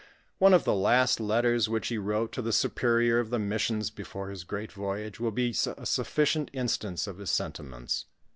One of the last letters which he wrote to the superior of the missions before his great voyage, will be a sufficient instance of his sentiments.